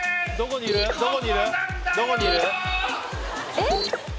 えっ？